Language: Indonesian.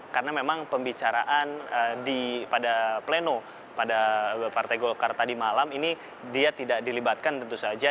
karena memang pembicaraan pada pleno pada partai golkar tadi malam ini dia tidak dilibatkan tentu saja